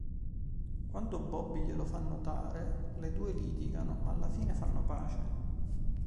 Quando Bobbie glielo fa notare, le due litigano, ma alla fine fanno pace.